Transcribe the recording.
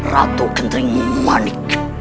ratu kenteri panik